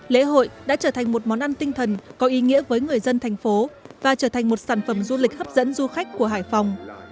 lễ hội đã trở thành một món ăn tinh thần có ý nghĩa với người dân thành phố và trở thành một sản phẩm du lịch hấp dẫn du khách của hải phòng